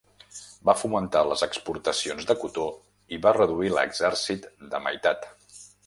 Va fomentar les exportacions de cotó i va reduir l'exèrcit de meitat.